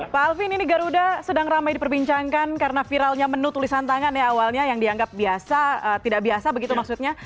pak alvin ini garuda sedang ramai diperbincangkan karena viralnya menu tulisan tangan ya awalnya yang dianggap biasa tidak biasa begitu maksudnya